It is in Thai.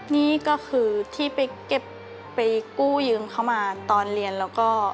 นี่ก็คือที่ไปเก็บไปกู้ยืมเขามาตอนเรียนแล้วก็